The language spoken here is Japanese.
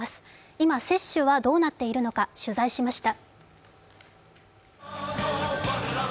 今、接種はどうなっているのか、取材しました。